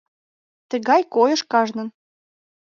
Тыгай койыш кажнын.